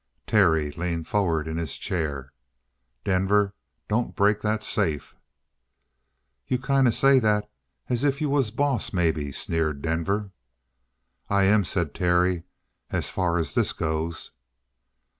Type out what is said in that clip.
Terry leaned forward in his chair. "Denver, don't break that safe!" "You kind of say that as if you was boss, maybe," sneered Denver. "I am," said Terry, "as far as this goes."